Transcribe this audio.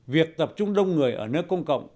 việc tập trung đông người ở nơi công cộng